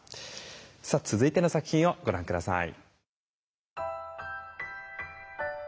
さあ続いての作品をご覧下さい。